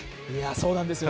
そうなんですよ。